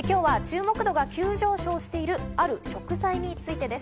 今日は注目度が急上昇しているある食材についてです。